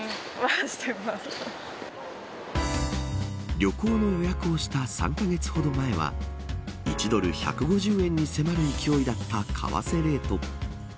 旅行の予約をした３カ月ほど前は１ドル１５０円に迫る勢いだった為替レート。